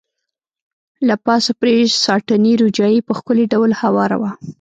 له پاسه پرې ساټني روجايي په ښکلي ډول هواره وه.